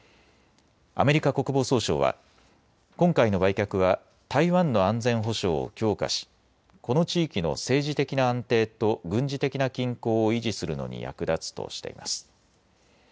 アメリカ国防総省は今回の売却は台湾の安全保障を強化しこの地域の政治的な安定と軍事的な均衡を維持するのに役立つとしています。